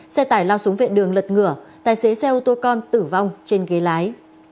xe tải lao xuống vệ đường lật ngửa tài xế xe ô tô con tử vong trên ghế lái